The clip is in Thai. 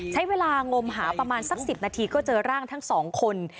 ใช้เวลางมหาประมาณสัก๑๐นาทีก็เจอร่างทั้งสองคน